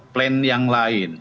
plan yang lain